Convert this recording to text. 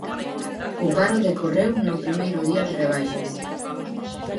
O paro decorreu no primeiro día de rebaixas.